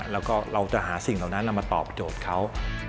แล้วก็เราจะหาสิ่งเหล่านั้นมาตอบโจทย์เขา